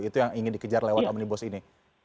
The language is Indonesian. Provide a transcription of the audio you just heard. itu yang ingin dikejar lewat omnibus ini